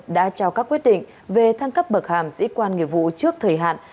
đã trao các quyết định về thăng cấp bậc hàm dĩ quan nghiệp vụ trước thời hạn